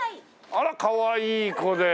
あらかわいい子で。